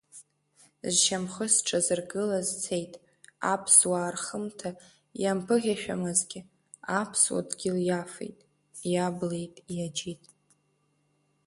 Зшьамхы зҽазыргаз цеит, аԥсуаа рхымҭа иамԥыхьамшәазгьы аԥсуа дгьыл иафеит, иаблит, иаџьит.